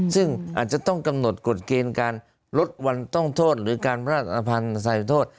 ซึ่งอาจจะต้องกำหนดกฎเกณฑ์การลดวันต้องโทษหรือการพระราชภัณฑ์สายโทษ